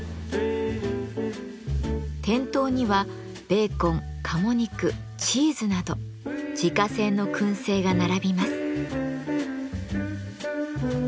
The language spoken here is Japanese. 店頭にはベーコン鴨肉チーズなど自家製の燻製が並びます。